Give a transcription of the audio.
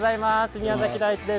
宮崎大地です。